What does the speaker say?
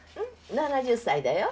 ７０歳だよ。